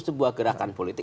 sebuah gerakan politik